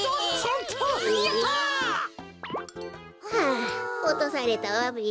あおとされたわべ。